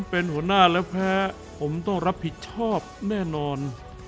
เป็นหัวหน้าและแพ้ผมต้องรับผิดชอบแน่นอน